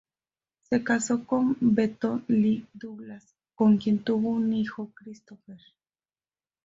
Se casó con Bretton Lee Douglas, con quien tuvo su hijo Christopher.